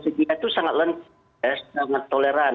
fikih itu sangat lencang ya sangat toleran